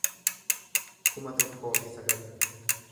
kuma tokkoo fi sagal